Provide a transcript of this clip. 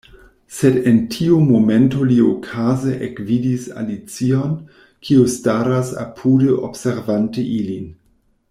Sed en tiu momento li okaze ekvidis Alicion, kiu staras apude observante ilin.